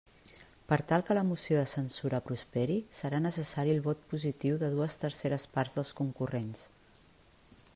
Per tal que la moció de censura prosperi, serà necessari el vot positiu de dues terceres parts dels concurrents.